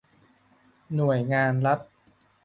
หน่วยงานรัฐ